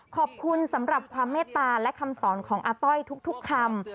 ขอบคุณสำหรับความเมตตาและคำสอนของอาต้อยทุกคำ